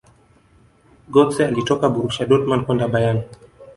gotze alitoka borusia dortmund kwenda bayern